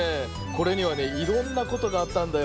これにはねいろんなことがあったんだよ。